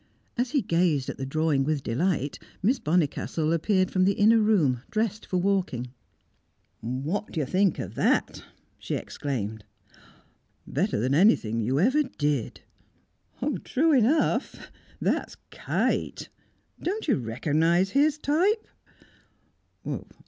As he gazed at the drawing with delight, Miss Bonnicastle appeared from the inner room, dressed for walking. "What do you think of that?" she exclaimed. "Better than anything you ever did!" "True enough! That's Kite. Don't you recognise his type?"